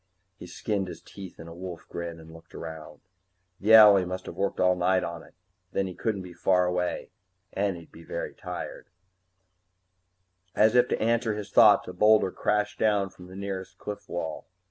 He skinned his teeth in a wolf grin and looked around. The owlie must have worked all night on it. Then he couldn't be far away and he'd be very tired As if to answer his thoughts, a boulder crashed down from the nearer cliff wall.